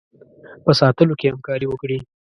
په ساتلو کې همکاري وکړي.